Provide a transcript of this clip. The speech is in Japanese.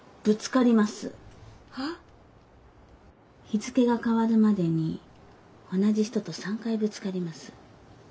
日付が替わるまでに同じ人と３回ぶつかります。